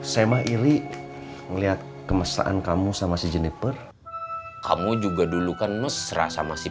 saya mah iri ngeliat kemesraan kamu sama si jennifer kamu juga dulu kan mesra sama si